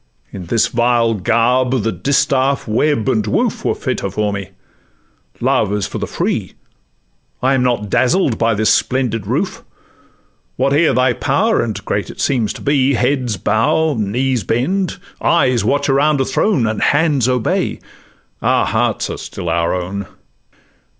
In this vile garb, the distaff, web, and woof, Were fitter for me: Love is for the free! I am not dazzled by this splendid roof, Whate'er thy power, and great it seems to be; Heads bow, knees bend, eyes watch around a throne, And hands obey—our hearts are still our own.